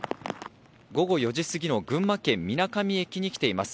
午後４時過ぎの群馬県水上駅に来ています。